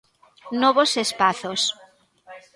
Novos espazos.